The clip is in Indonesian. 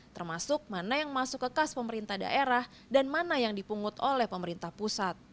termasuk mana yang masuk ke kas pemerintah daerah dan mana yang dipungut oleh pemerintah pusat